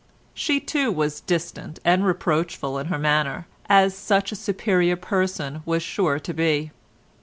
She, too, was distant and reproachful in her manner, as such a superior person was sure to be.